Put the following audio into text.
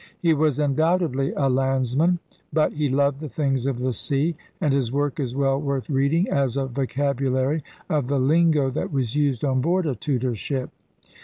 He was undoubtedly a landsman. But he loved the things of the sea; and his work is well worth reading as a vocabulary of the lingo that was used on board a Tudor ship.